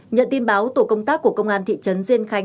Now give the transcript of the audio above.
nhận tin báo tổ công tác của công an thị trấn diên khánh